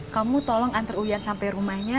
kamu tolong antar uyan sampai rumahnya